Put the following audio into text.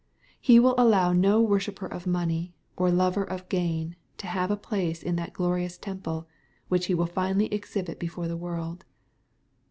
He will allow no worshipper of money, or lover of gain, to have a place in that glorious temple, which He will finally exhibit before the world.